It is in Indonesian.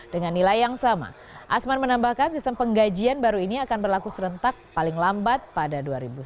dengan nilai yang sama asman menambahkan sistem penggajian baru ini akan berlaku serentak paling lambat pada dua ribu sembilan belas